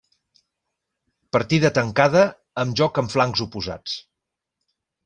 Partida tancada amb joc en flancs oposats.